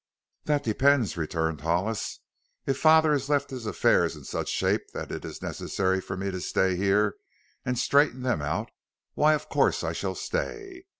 "That depends." returned Hollis. "If father has left his affairs in such shape that it is necessary for me to stay here and straighten them out, why of course I shall stay.